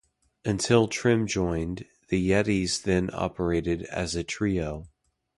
Until Trim joined, The Yetties then operated as a trio.